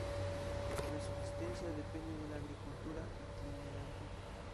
La subsistencia depende de la agricultura itinerante.